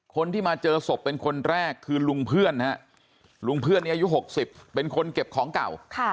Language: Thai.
คนที่มาเจอศพเป็นคนแรกคือลุงเพื่อนฮะลุงเพื่อนนี้อายุ๖๐เป็นคนเก็บของเก่า